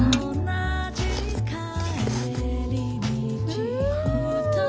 うん！